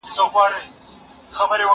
زه مخکي د ښوونځی لپاره تياری کړی وو!